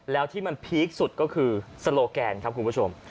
แล้วที่มันพีคสุดก็คือโซโลแกนครับคุณผู้ชม